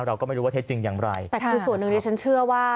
เราก็ไม่รู้ว่าเท็จจริงอย่างไรศักดิ์หนึ่งเนี่ยฉันเชื่อว่า